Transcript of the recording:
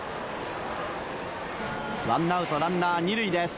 ワンアウトランナー二塁です。